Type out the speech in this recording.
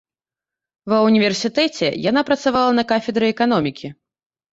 Ва ўніверсітэце яна працавала на кафедры эканомікі.